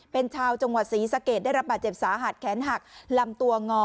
เป็นชาวจังหวัดศรีสะเกดได้รับบาดเจ็บสาหัสแขนหักลำตัวงอ